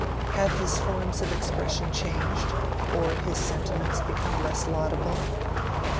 Had his forms of expression changed, or his sentiments become less laudable?